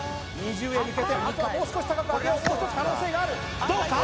２０へ向けてあとはもう少し高く上げようもう少し可能性があるどうか？